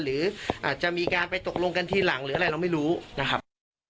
หรืออาจจะมีการไปตกลงกันทีหลังหรืออะไรเราไม่รู้นะครับ